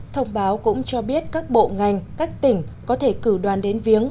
thông báo cũng cho biết các bộ ngành các tỉnh có thể cử đoàn đến viếng